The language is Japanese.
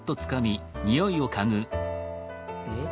えっ？